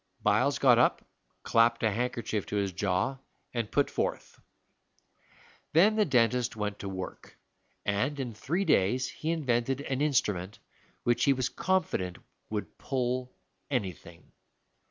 Byles got up, clapped a handkerchief to his jaw, and put forth. Then the dentist went to work, and in three days he invented an instrument which he was confident would pull anything.